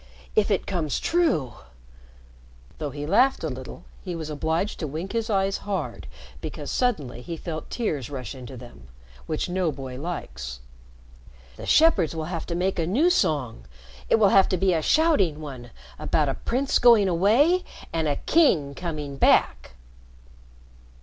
If it comes true " though he laughed a little, he was obliged to wink his eyes hard because suddenly he felt tears rush into them, which no boy likes "the shepherds will have to make a new song it will have to be a shouting one about a prince going away and a king coming back!"